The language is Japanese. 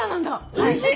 おいしい！